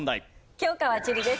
教科は地理です。